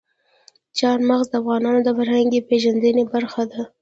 چار مغز د افغانانو د فرهنګي پیژندنې برخه ده.